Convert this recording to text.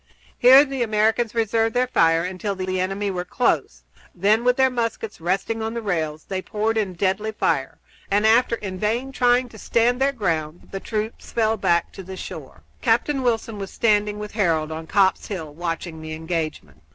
Here the Americans reserved their fire until the enemy were close; then, with their muskets resting on the rails, they poured in a deadly fire, and, after in vain trying to stand their ground, the troops fell back to the shore. Captain Wilson was standing with Harold on Copp's Hill watching the engagement.